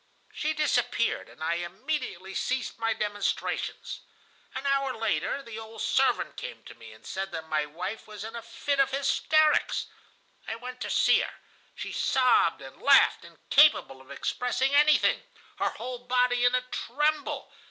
"She disappeared, and I immediately ceased my demonstrations. An hour later the old servant came to me and said that my wife was in a fit of hysterics. I went to see her. She sobbed and laughed, incapable of expressing anything, her whole body in a tremble.